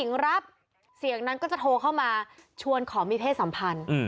รับเสียงนั้นก็จะโทรเข้ามาชวนขอมีเพศสัมพันธ์